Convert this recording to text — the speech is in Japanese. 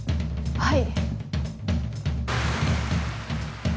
はい。